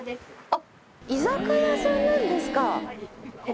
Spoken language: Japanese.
あっ居酒屋さんなんですか。